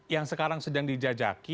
yang sekarang sedang dijajaki